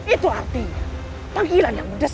itu artinya panggilan yang mudah